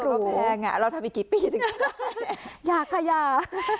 ค่าตัวก็แพงอ่ะเราทำอีกกี่ปีถึงได้อย่าค่ะอย่า